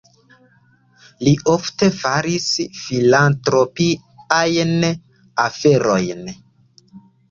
Li ofte faris filantropiajn aferojn.